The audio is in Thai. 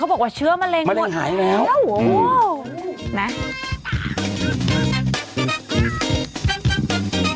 เขาบอกว่าเชื้อมะเร็งหมดมะเร็งหายแล้วโอ้โห